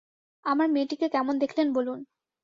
আমার মেয়েটিকে কেমন দেখলেন, বলুন।